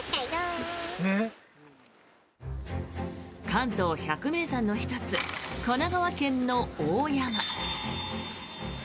関東百名山の１つ神奈川県の大山。